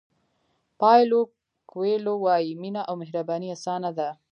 پایلو کویلو وایي مینه او مهرباني اسانه ده.